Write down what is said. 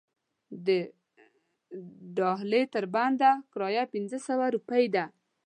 د دهالې تر بنده کرایه پنځه روپۍ ده.